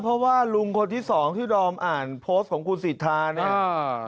เพราะว่าลุงคนที่สองที่ดอมอ่านโพสต์ของคุณสิทธาเนี่ย